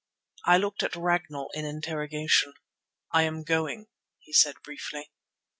I looked at Ragnall in interrogation. "I am going on," he said briefly.